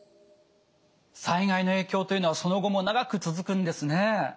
災害の影響というのはその後も長く続くんですね。